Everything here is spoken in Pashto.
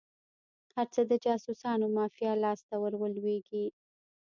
هر څه د جاسوسانو مافیا لاس ته ور ولویږي.